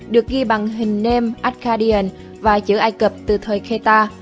được ghi bằng hình nêm akkadian và chữ ai cập từ thời khê ta